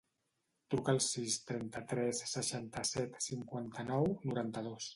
Truca al sis, trenta-tres, seixanta-set, cinquanta-nou, noranta-dos.